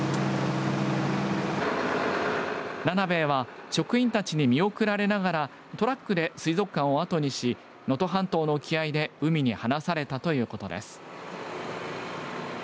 ナナベエは職員たちに見送られながらトラックで水族館をあとにし能登半島の沖合で海に放されたということです。